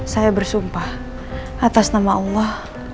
saya bersumpah atas nama allah